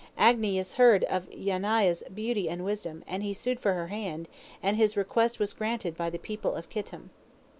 Agnias heard of Yaniah's beauty and wisdom, and he sued for her hand, and his request was granted him by the people of Kittim.